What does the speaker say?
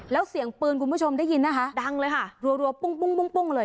แล้วเสียงปืนคุณผู้ชมได้ยินนะคะดังเลยค่ะรัวปุ้งปุ้งปุ้งเลย